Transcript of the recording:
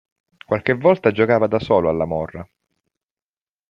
Qualche volta giocava da solo alla morra.